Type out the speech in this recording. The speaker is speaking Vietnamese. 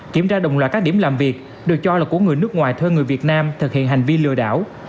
kiểm tra đồng loạt các điểm làm việc được cho là của người nước ngoài thuê người việt nam thực hiện hành vi lừa đảo